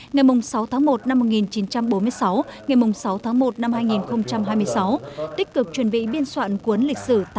ngày sáu tháng một năm một nghìn chín trăm bốn mươi sáu ngày sáu tháng một năm hai nghìn hai mươi sáu tích cực chuẩn bị biên soạn cuốn lịch sử tám